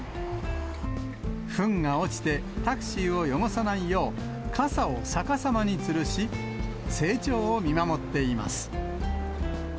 ふんが落ちてタクシーを汚さないよう、傘を逆さまにつるし、成長を見守っています。